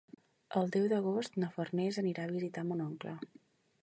El deu d'agost na Farners anirà a visitar mon oncle.